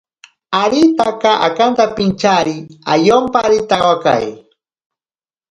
Aritake akantapintyari ayomparitawakai.